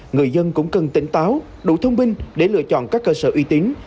người dân cũng cần tỉnh táo đủ thông minh để lựa chọn các cơ sở uy tín